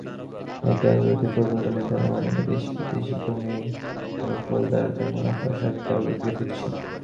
একে অগ্রাধিকার প্রকল্প নির্ধারণের মাধ্যমে দেশি-বিদেশি ভূমি দখলদারদের মুনাফার স্বার্থকে অগ্রাধিকার দিচ্ছে।